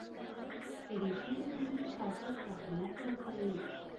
دریشي د ښوونځي شاګرد ته اهمیت ورکوي.